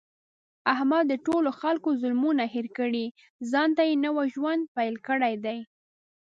احمد د ټولو خلکو ظلمونه هېر کړي، ځانته یې نوی ژوند پیل کړی دی.